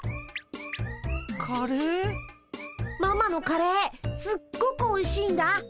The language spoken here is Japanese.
ママのカレーすっごくおいしいんだ。